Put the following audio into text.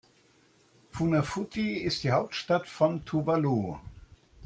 Funafuti ist die Hauptstadt von Tuvalu.